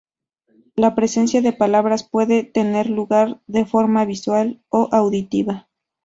La presentación de palabras puede tener lugar de forma visual o auditiva.